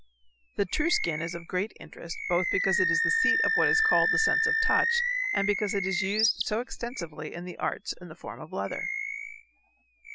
The true skin is of great interest both because it is the seat of what is called the sense of touch and because it is used so extensively in the arts in the form of leather.